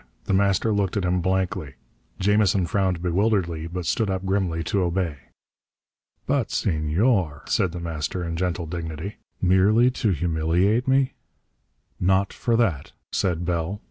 The Master looked at him blankly. Jamison frowned bewilderedly, but stood up grimly to obey. "But Senor," said The Master in gentle dignity, "merely to humiliate me " "Not for that," said Bell.